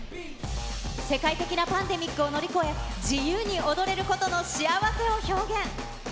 世界的なパンデミックを乗り越え、自由に踊れることの幸せを表現。